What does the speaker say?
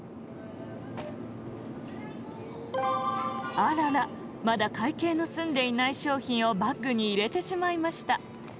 あららまだかいけいのすんでいない商品をバッグにいれてしまいました。